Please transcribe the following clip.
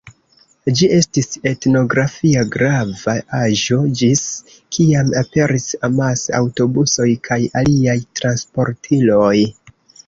Ĝi estis etnografia grava aĵo, ĝis kiam aperis amase aŭtobusoj kaj aliaj transportiloj.